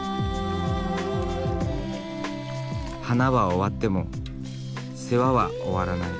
花は終わっても世話は終わらない。